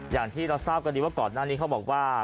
อย่างที่เราทราบกันดีว่าก่อนหน้านี้เขาบอกว่า